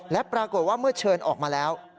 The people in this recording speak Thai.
และปรากฏว่าเมื่อเชิญออกมาแล้ว